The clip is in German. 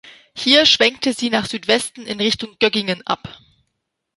Hier schwenkte sie nach Südwesten in Richtung Göggingen ab.